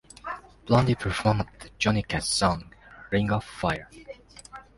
Blondie performed the Johnny Cash song, "Ring of Fire".